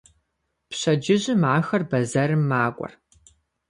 Пщэдджыжьым ахэр бэзэрым макӏуэр.